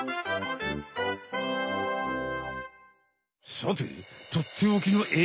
さてとっておきのえい